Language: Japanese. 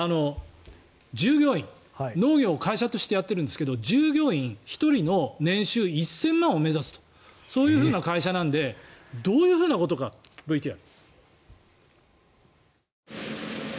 従業員農業を会社としてやっているんですが従業員１人の年収１０００万円を目指すというそういうふうな会社なのでどういうふうなことか、ＶＴＲ。